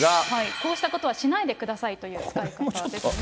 こうしたことはしないでくださいという使い方ですね。